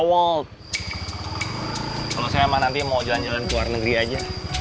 wow kalau saya emang nanti mau jalan jalan ke luar negeri aja